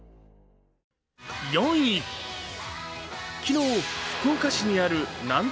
４位、昨日、福岡市になる難読